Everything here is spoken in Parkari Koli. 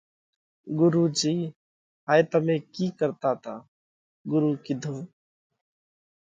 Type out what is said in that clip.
“ڳرُو جِي هائي تمي ڪِي ڪرتا تا؟ ڳرُو ڪِيڌو: